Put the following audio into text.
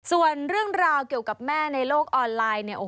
ส่วนเรื่องราวเกี่ยวกับแม่ในโลกออนไลน์เนี่ย